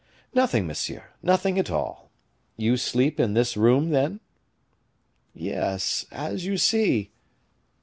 "Nothing, monsieur, nothing at all. You sleep in this room, then?" "Yes; as you see."